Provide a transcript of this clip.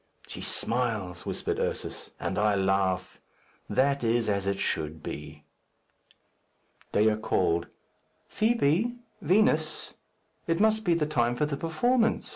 "She smiles," whispered Ursus, "and I laugh. That is as it should be." Dea called, "Fibi! Vinos! It must be the time for the performance.